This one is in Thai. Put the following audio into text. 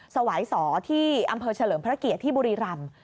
สวายสอที่อำเภอเฉลิมพระเกียรติที่บุรีรำ